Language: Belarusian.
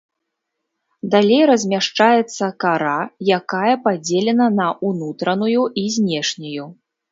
Далей размяшчаецца кара, якая падзелена на ўнутраную і знешнюю.